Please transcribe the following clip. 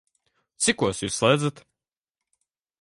Cikos Jūs slēdzat?